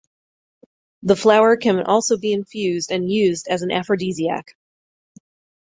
The flower can also be infused and used as an aphrodisiac.